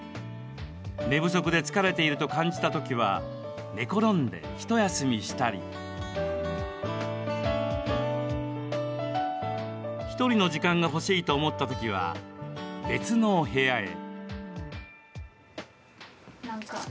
寝不足で疲れていると感じたときは寝転んで、ひと休みしたり１人の時間が欲しいと思ったときは、別の部屋へ。